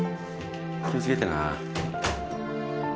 気をつけてな